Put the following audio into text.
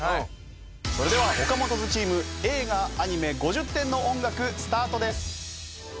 それではＯＫＡＭＯＴＯ’Ｓチーム映画・アニメ５０点の音楽スタートです。